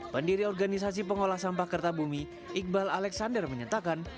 pendiri organisasi pengolah sampah kerta bumi iqbal alexander menyatakan